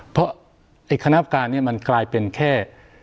เพราะไอ้คณะการเนี่ยมันกลายเป็นแค่